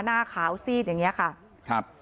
หน้าขาวซีดอย่างนี้ค่ะ